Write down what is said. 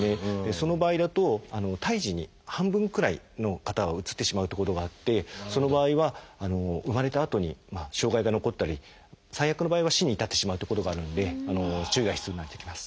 その場合だと胎児に半分くらいの方はうつってしまうってことがあってその場合は生まれたあとに障害が残ったり最悪の場合は死に至ってしまうってことがあるので注意が必要になってきます。